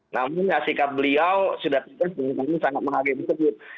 namun sikap beliau sudah tiba tiba sangat mengaget tersebut